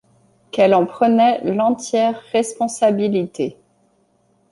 Qu’elle en prenait l’entière responsabilité.